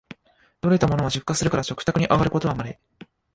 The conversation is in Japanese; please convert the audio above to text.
採れたものは出荷するから食卓にあがることはまれ